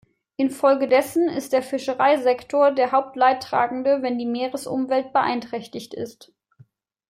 Infolgedessen ist der Fischereisektor der Hauptleidtragende, wenn die Meeresumwelt beeinträchtigt ist.